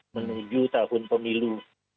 menuju tahun pemilu dua ribu dua puluh empat